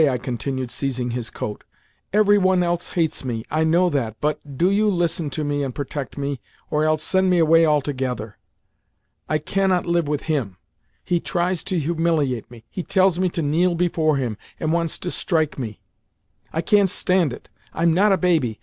I continued, seizing his coat. "Every one else hates me—I know that, but do you listen to me and protect me, or else send me away altogether. I cannot live with him. He tries to humiliate me—he tells me to kneel before him, and wants to strike me. I can't stand it. I'm not a baby.